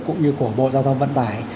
cũng như của bộ giao thông vận tải